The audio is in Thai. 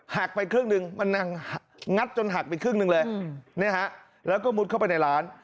หักไปครึ่งหนึ่งมันงัดจนหักไปครึ่งหนึ่งเลยนะฮะแล้วก็มุดเข้าไปในร้าน